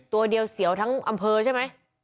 ตัวเดียวเสียวทั้งอำเภอใช่ไหม